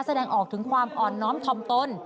แสดงออกถึงความอ่อนน้อมถ่อมตน